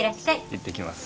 いってきます。